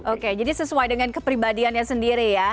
oke jadi sesuai dengan kepribadiannya sendiri ya